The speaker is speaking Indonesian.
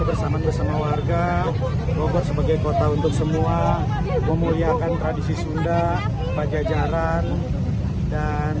bersama sama warga mogok sebagai kota untuk semua memuliakan tradisi sunda pajajaran dan